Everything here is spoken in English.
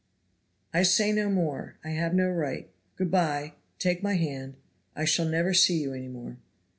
"I say no more, I have no right goodby, take my hand, I shall never see you any more.